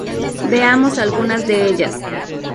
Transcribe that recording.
Veamos algunas de ellas.